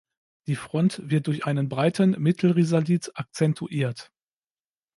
Die Front wird durch einen breiten Mittelrisalit akzentuiert.